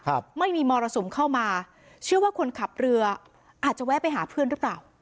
ครับไม่มีมรสุมเข้ามาเชื่อว่าคนขับเรืออาจจะแวะไปหาเพื่อนหรือเปล่า